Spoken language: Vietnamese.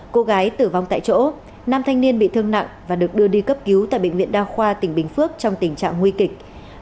cô gái tử vong tại chỗ năm thanh niên bị thương nặng và được đưa đi cấp cứu tại bệnh viện đa khoa tỉnh bình phước trong tình trạng nguy kịch